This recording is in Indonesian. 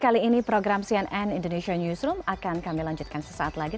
kali ini program cnn indonesia newsroom akan kami lanjutkan sesaat lagi